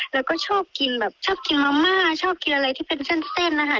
แล้วก็ชอบกินแบบชอบกินมะม่าชอบกินอะไรที่เป็นเส้นนะคะ